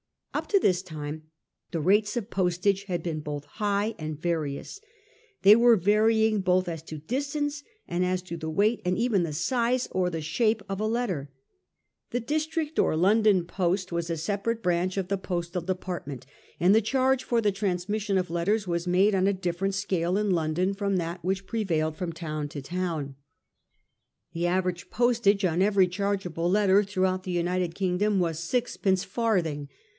Up to this time the rates of postage had been both high and various. They were varying both as to distance, and as to the weight and even the size or the shape of a letter. The district or London post 90 A HISTORY OF OUR OWN TIMES. on. it. was a separate branch of the postal department ; and the charge for the transmission of letters was made on a different scale in London from that which pre vailed between town and town. The average postage on every chargeable letter throughout the United Kingdom was six pence farthing.